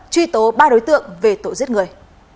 truy tố ba đối tượng về tội giết người